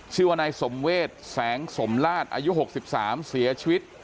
ชื่อว่านายสมเวศแสงสมราชอายุ๖๓เสียชีวิต